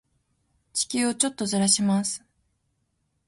地球をちょっとずらします。